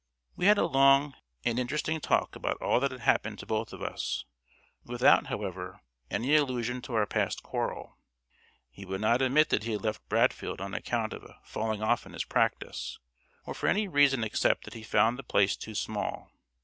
We had a long and interesting talk about all that had happened to both of us, without, however, any allusion to our past quarrel. He would not admit that he had left Bradfield on account of a falling off in his practice, or for any reason except that he found the place too small.